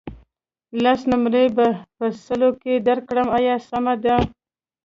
لس نمرې به په سلو کې درکړم آیا سمه ده.